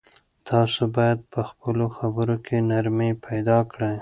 تاسو باید په خپلو خبرو کې نرمي پیدا کړئ.